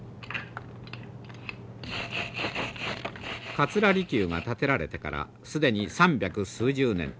桂離宮が建てられてから既に三百数十年。